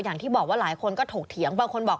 อย่างที่บอกว่าหลายคนก็ถกเถียง